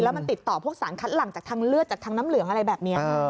มันติดต่อพวกสารคัดหลังจากทางเลือดจากทางน้ำเหลืองอะไรแบบนี้